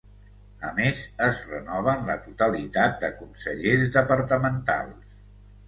A més es renoven la totalitat de consellers departamentals.